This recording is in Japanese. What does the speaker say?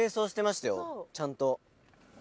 ちゃんと。